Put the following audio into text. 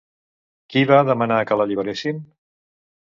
Qui va demanar que l'alliberessin?